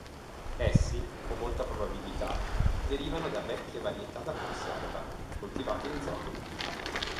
Essi, con molta probabilità, derivano da vecchie varietà da conserva, coltivate in zona.